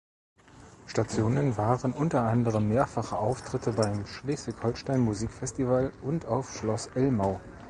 Stationen waren unter anderem mehrfache Auftritte beim Schleswig-Holstein-Musikfestival und auf Schloss Elmau.